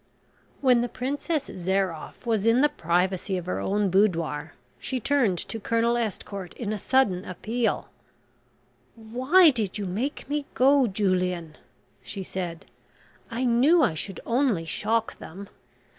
When the Princess Zairoff was in the privacy of her own boudoir, she turned to Colonel Estcourt in a sudden appeal: "Why did you make me go, Julian?" she said. "I knew I should only shock them.